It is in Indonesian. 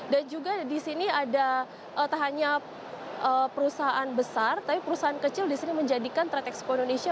dan juga disini ada tak hanya perusahaan besar tapi perusahaan kecil disini menjadikan trade expo indonesia